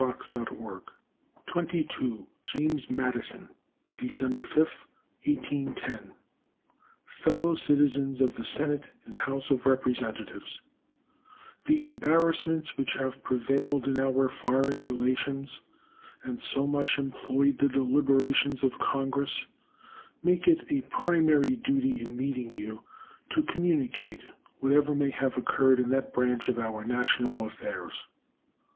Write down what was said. State of the Union Address James Madison December 5, 1810 Fellow Citizens of the Senate and House of Representatives: The embarrassments which have prevailed in our foreign relations, and so much employed the deliberations of Congress, make it a primary duty in meeting you to communicate whatever may have occurred in that branch of our national affairs.